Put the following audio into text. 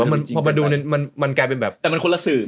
มันคุ้นละสื่อ